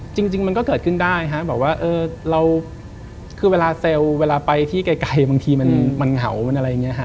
จริงมันก็เกิดขึ้นได้ฮะแบบว่าเราคือเวลาเซลล์เวลาไปที่ไกลบางทีมันเหงามันอะไรอย่างนี้ฮะ